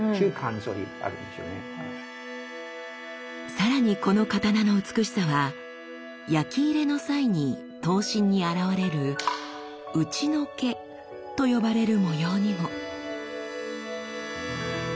さらにこの刀の美しさは焼き入れの際に刀身に現れる打除けと呼ばれる模様にも。